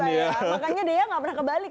makanya dea nggak pernah kebalik